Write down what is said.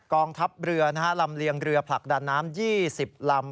กองทัพเรือลำเลียงเรือผลักดันน้ำ๒๐ลำ